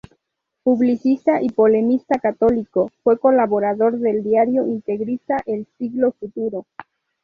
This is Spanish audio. Publicista y polemista católico, fue colaborador del diario integrista "El Siglo Futuro".